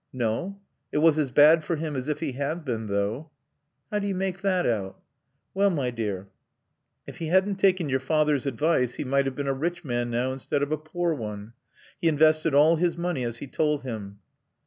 "No. It was as bad for him as if he had been, though." "How do you make that out?" "Well, my dear, if he hadn't taken your father's advice he might have been a rich man now instead of a poor one.... He invested all his money as he told him."